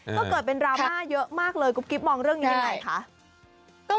ก็เกิดเป็นดราม่าเยอะมากเลยกุ๊บกิ๊บมองเรื่องนี้ยังไงคะ